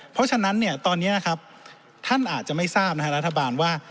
เพราะฉะนั้นตอนนี้ท่านอาจจะไม่ทราบนะคะรัฐบาลว่า